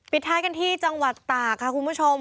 ท้ายกันที่จังหวัดตากค่ะคุณผู้ชม